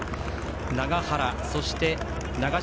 永原、そして長嶋。